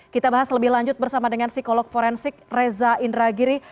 kita bahas lebih lanjut bersama dengan psikolog forensik reza indragiri